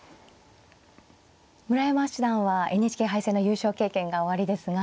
村山七段はＮＨＫ杯戦の優勝経験がおありですが。